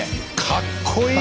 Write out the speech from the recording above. かっこいい！